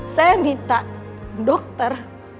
saya minta dokter